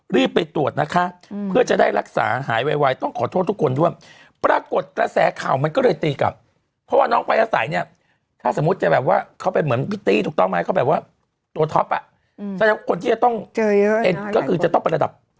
เริ่มไปตรวจนะคะเพื่อจะได้รักษาหายวัยต้องขอโทษทุกคนด้วยเพราะประกวดกระแสข่อมันก็เลยตีกลับ